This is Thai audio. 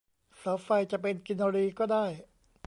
เสาไฟจะเป็นกินรีก็ได้